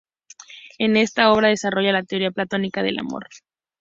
En esta obra desarrolla la teoría platónica del amor.